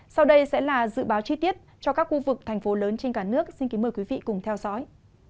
sau đây sẽ là dự báo chi tiết cho các khu vực thành phố lớn trên cả nước xin kính mời quý vị cùng theo dõi